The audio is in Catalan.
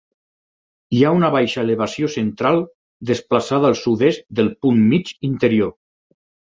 Hi ha una baixa elevació central, desplaçada al sud-est del punt mig interior.